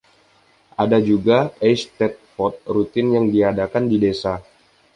Ada juga Eisteddfod rutin yang diadakan di desa.